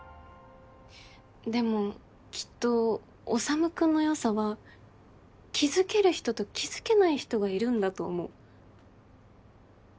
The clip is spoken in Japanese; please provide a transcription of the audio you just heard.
でもきっと修君の良さは気付ける人と気付けない人がいるんだと思う。